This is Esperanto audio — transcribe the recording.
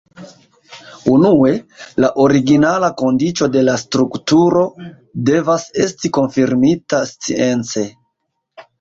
Unue, la originala kondiĉo de la strukturo devas esti konfirmita science.